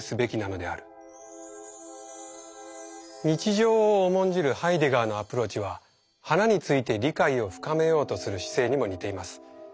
日常を重んじるハイデガーのアプローチは花について理解を深めようとする姿勢にも似ています。